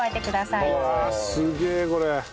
うわあすげえこれ。